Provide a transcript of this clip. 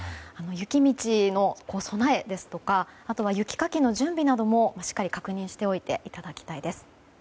雪道の備えやあとは、雪かきの準備などもしっかり確認しておいていただきたいです。